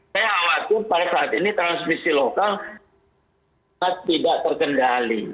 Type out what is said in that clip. saya khawatir pada saat ini transmisi lokal tidak terkendali